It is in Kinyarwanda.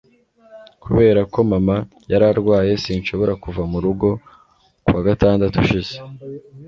kubera ko mama yari arwaye, sinshobora kuva mu rugo ku wa gatandatu ushize